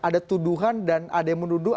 ada tuduhan dan ada yang menuduh